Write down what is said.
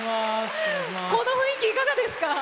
この雰囲気、いかがですか。